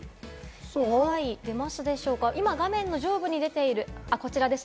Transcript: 今、画面の上部に出ている、こちらです。